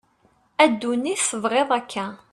a dunit tebγiḍ akka